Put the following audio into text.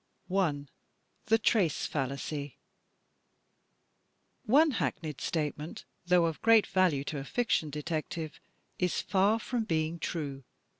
I. The '"Trace" Fallacy One hackneyed statement, though of great value to a fiction detective, is far from being true.